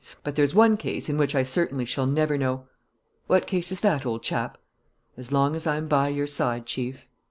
But there's one case in which I certainly shall never know." "What case is that, old chap?" "As long as I'm by your side, Chief."